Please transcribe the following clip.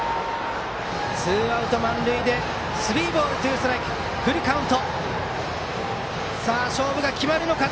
ツーアウト満塁でスリーボールツーストライクフルカウント！